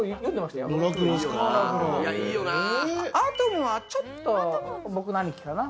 アトムはちょっと、僕の兄貴かな。